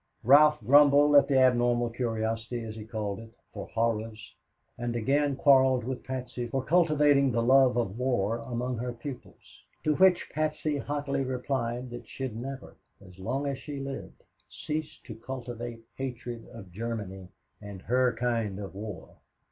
Ralph grumbled at the abnormal curiosity, as he called it, for horrors, and again quarreled with Patsy for cultivating the love of war among her pupils, to which Patsy hotly replied that she'd never, as long as she lived, cease to cultivate hatred of Germany and her kind of war.